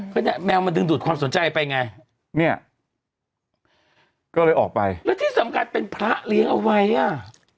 ก็เนี่ยแมวมันดึงดูดความสนใจไปไงเนี่ยก็เลยออกไปแล้วที่สำคัญเป็นพระเลี้ยงเอาไว้อ่ะ